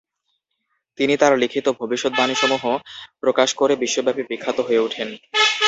তিনি তার লিখিত ভবিষ্যদ্বাণীসমূহ প্রকাশ করে বিশ্বব্যাপী বিখ্যাত হয়ে উঠেন।